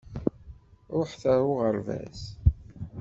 Ṛuḥet ar uɣerbaz!